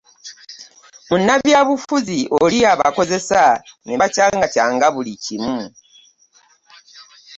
Munnabyabufuzi oli yabakozesa ne baacangacanga buli kimu.